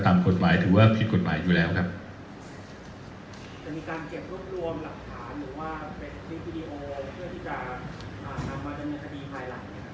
กฎหมายถือว่าผิดกฎหมายอยู่แล้วครับจะมีการเก็บรวบรวมหลักฐานหรือว่าเป็นคลิปวิดีโออะไรเพื่อที่จะอ่านำมาดำเนินคดีภายหลังไหมครับ